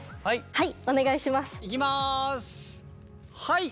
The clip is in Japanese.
はい。